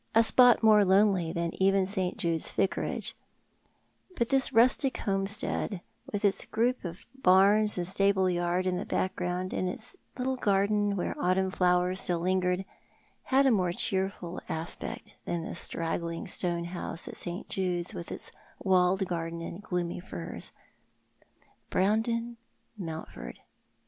'i^pot more lonely than even St. Jude's A^icarage; but this rustic homestead, with its group of barns and stable yard in the background, and its little garden, where autumn flowers still lingered, had a more cheerful aspect than the straggling stone house at St. Jude's, with its walled garden and gloomy firs. Brandon Mountford!